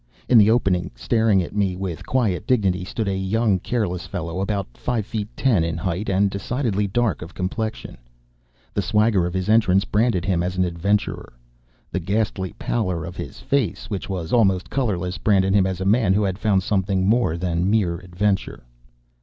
In the opening, staring at me with quiet dignity, stood a young, careless fellow, about five feet ten in height and decidedly dark of complexion. The swagger of his entrance branded him as an adventurer. The ghastly pallor of his face, which was almost colorless, branded him as a man who has found something more than mere adventure.